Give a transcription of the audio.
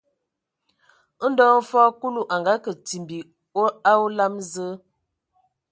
Ndɔ hm fɔɔ Kulu a ngakǝ timbi a olam Zǝǝ,